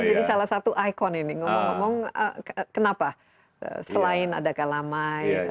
ini jadi salah satu ikon ini ngomong ngomong kenapa selain adakah lamai tadi